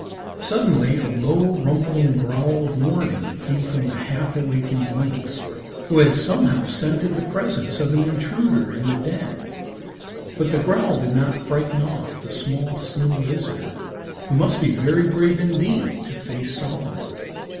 Suddenly a low, rumbling growl of warning came from the half awakened lynx, who had somehow scented the presence of an intruder in the den, but the growl did not frighten off the small, slim visitor, who must be very brave indeed to face Solomon.